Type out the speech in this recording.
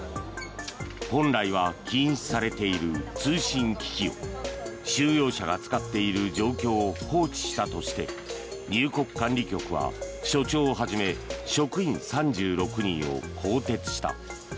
本来は禁止されている通信機器を収容者が使っている状況を放置したとして入国管理局は所長をはじめ職員３６人を更迭した。